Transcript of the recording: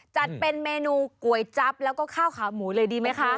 จัดเป็นเมนูก๋วยจั๊บแล้วก็ข้าวขาหมูเลยดีไหมคะ